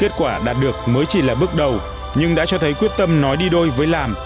kết quả đạt được mới chỉ là bước đầu nhưng đã cho thấy quyết tâm nói đi đôi với làm